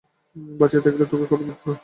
বাঁচিয়া থাকিলে তোকে খবর দিত না?